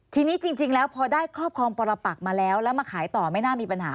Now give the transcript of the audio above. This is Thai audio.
ทีนี้จริงแล้วพอได้ครอบครองปรปักมาแล้วแล้วมาขายต่อไม่น่ามีปัญหา